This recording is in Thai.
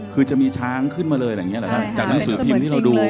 คือจะมีช้างขึ้นมาเลยอะไรอย่างนี้แหละครับจากหนังสือพิมพ์ที่เราดู